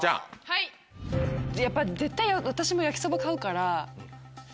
はい絶対私も焼きそば買うから。